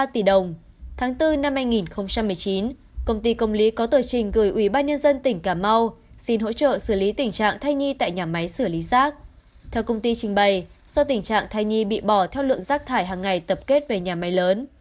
theo công ty trình bày do tình trạng thai nhi bị bỏ theo lượng rác thải hàng ngày tập kết về nhà máy lớn